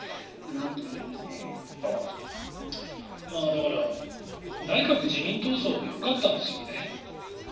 だから、内閣・自民党葬でよかったんですよね。